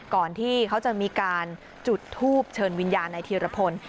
ก่อนที่เขาจะมีการจุดทูบเชิญวิญญาณในธีรพล